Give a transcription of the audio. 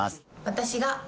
私が。